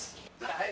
はい。